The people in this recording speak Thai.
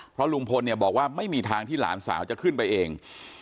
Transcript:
เพราะลุงพลเนี่ยบอกว่าไม่มีทางที่หลานสาวจะขึ้นไปเอง